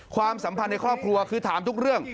ความสัมพันธ์ในครอบครัวคือถามทุกเรื่อง